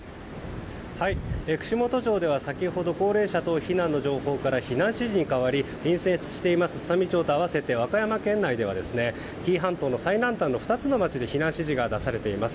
串本町では先ほど高齢者等避難の情報から避難指示に変わり隣接していますすさみ町と合わせて和歌山県内では紀伊半島の最南端の２つの町で避難指示が出されています。